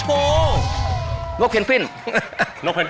เหมือน